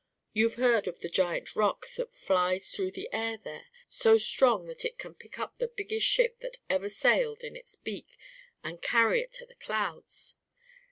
You've heard of the giant Roc that flies through the air there, so strong that it can pick up the biggest ship that ever sailed in its beak, and carry it to the clouds?